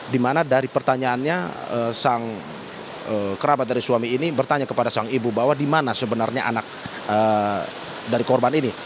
dimana dari pertanyaannya sang kerabat dari suami ini bertanya kepada sang ibu bahwa di mana sebenarnya anak dari korban ini